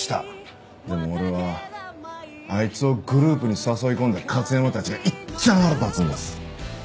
でも俺はあいつをグループに誘い込んだ勝山たちがいっちゃん腹立つんです。